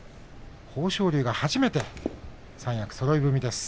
豊昇龍が初めて三役そろい踏みです。